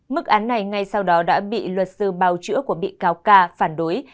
mức án này ngay sau đó đã bị luật sư bào chữa của bị cáo ca phản đối